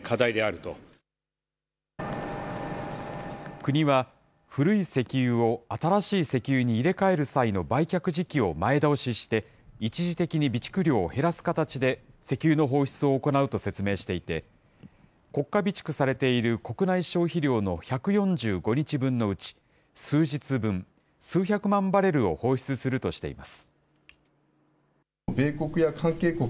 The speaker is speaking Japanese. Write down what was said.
国は、古い石油を新しい石油に入れ替える際の売却時期を前倒しして、一時的に備蓄量を減らす形で、石油の放出を行うと説明していて、国家備蓄されている国内消費量の１４５日分のうち、数日分、数百万バレルを放出するとしています。